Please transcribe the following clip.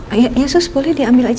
ayo ya sus boleh diambil aja